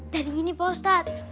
dari gini pak ustadz